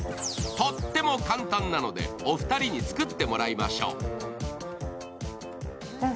とっても簡単なので、お二人に作ってもらいましょう。